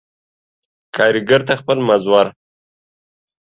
کاريګر ته خپل مز ور